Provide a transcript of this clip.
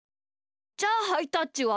じゃあハイタッチは？